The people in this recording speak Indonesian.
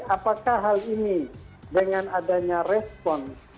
apakah hal ini dengan adanya respon